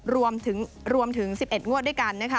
รวมถึง๑๑งวดด้วยกัน